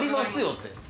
って。